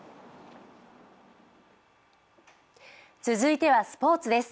続いてはスポーツです。